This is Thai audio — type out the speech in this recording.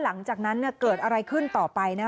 หลังจากนั้นเกิดอะไรขึ้นต่อไปนะ